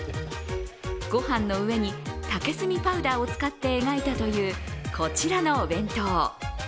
ご飯の上に竹炭パウダーを使って描いたというこちらのお弁当。